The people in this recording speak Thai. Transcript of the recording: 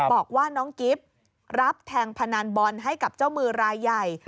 บอกว่าน้องกิฟต์รับแทงพนันบอลให้กับเจ้ามือรายใหญ่